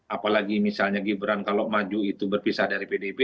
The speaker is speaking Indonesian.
apalagi misalnya gibran kalau maju itu berpisah dari pdip